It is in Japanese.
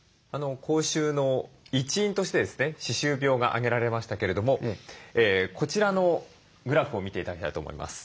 口臭の一因としてですね歯周病が挙げられましたけれどもこちらのグラフを見て頂きたいと思います。